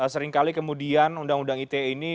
sering sering kemudian undang undang ini